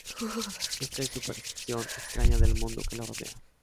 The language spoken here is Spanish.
Esta es su percepción extraña del mundo que le rodea.